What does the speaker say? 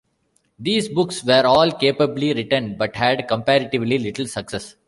These books were all capably written, but had comparatively little success.